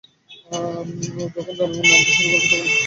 যখন জনগণ নামতে শুরু করবে তখন একদিন অস্ত্র সরকারের দিকেই ঘুরে যাবে।